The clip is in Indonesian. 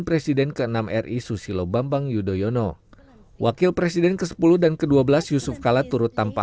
presiden ke enam ri susilo bambang yudhoyono wakil presiden ke sepuluh dan ke dua belas yusuf kala turut tanpa